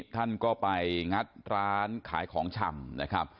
ท่านก็ไปงัดร้านขายของชำ